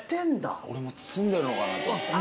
俺も包んでるのかなと思った。